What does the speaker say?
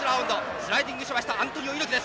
スライディングしましたアントニオ猪木です。